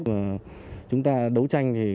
vì vậy chúng ta đấu tranh